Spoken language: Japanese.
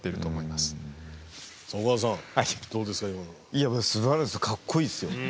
いやすばらしいかっこいいですよ。